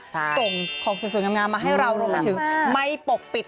ส่งของสวยงามมาให้เรารวมไปถึงไม่ปกปิด